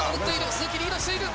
鈴木、リードしている。